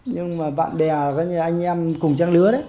nhưng mà bạn bè anh em cùng trang lứa đấy